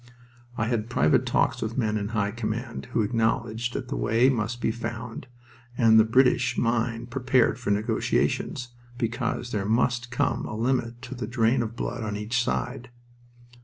I had private talks with men in high command, who acknowledged that the way must be found, and the British mind prepared for negotiations, because there must come a limit to the drain of blood on each side.